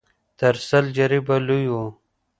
تر سل جريبه لوى و.